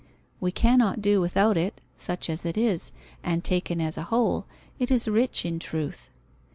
We cannot do without it, such as it is, and taken as a whole, it is rich in truth.